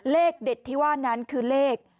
เลขเด็ดที่ว่านั้นคือเลข